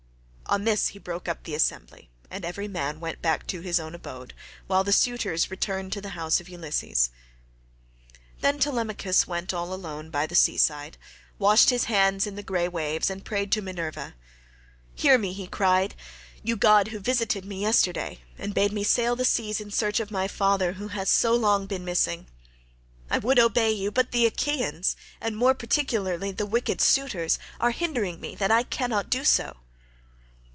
On this he broke up the assembly, and every man went back to his own abode, while the suitors returned to the house of Ulysses. Then Telemachus went all alone by the sea side, washed his hands in the grey waves, and prayed to Minerva. "Hear me," he cried, "you god who visited me yesterday, and bade me sail the seas in search of my father who has so long been missing. I would obey you, but the Achaeans, and more particularly the wicked suitors, are hindering me that I cannot do so."